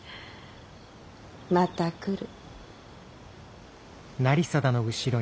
また来る。